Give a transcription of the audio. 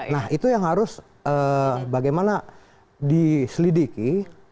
nah itu yang harus bagaimana diselidiki